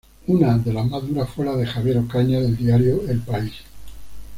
Una de las más duras fue la de Javier Ocaña, del diario "El País".